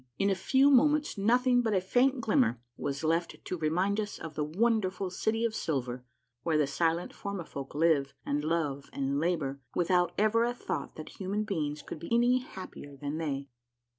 In a few moments nothing but a faint glimmer was left to remind us of the wonderful City of Silver, where the silent Formifolk live and love and labor without ever a thought that human beings could be any happier than they.